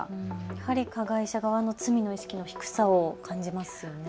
やはり加害者側の罪の意識の低さを感じますよね。